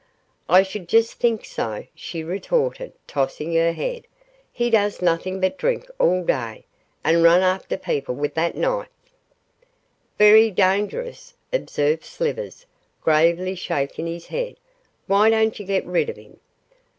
'I should just think so,' she retorted, tossing her head, 'he does nothing but drink all day, and run after people with that knife.' 'Very dangerous,' observed Slivers, gravely shaking his head; 'why don't you get rid of him?